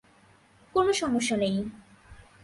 কোনও সমস্যা নেই।